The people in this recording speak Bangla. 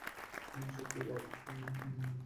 এইসব কি বাল!